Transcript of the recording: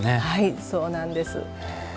はいそうなんです。